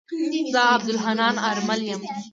زه عبدالحنان آرمل يم.